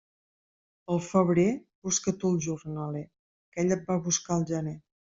Al febrer busca tu el jornaler, que ell et va buscar al gener.